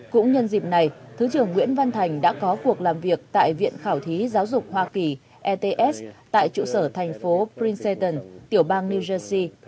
cũng nhân dịp này thứ trưởng nguyễn văn thành đã có cuộc làm việc tại viện khảo thí giáo dục hoa kỳ ets tại trụ sở thành phố brin seatton tiểu bang new jersey